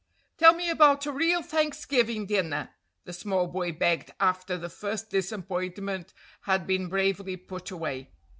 "Tell me about a real Thanksgiving dinner," the small boy begged after the first disappointment had been bravely put away.